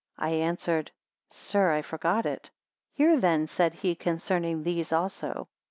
I answered, sir, I forgot it. Hear, then, said he, concerning these also.